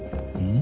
ん？